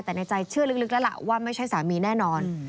แต่ในใจเชื่อลึกแล้วล่ะว่าไม่ใช่สามีแน่นอน